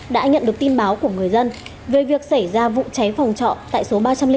đã nhận được tin báo của người dân về việc xảy ra vụ cháy phòng trọ tại số ba trăm linh bốn